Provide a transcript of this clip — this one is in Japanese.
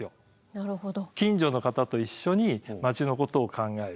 なるほど。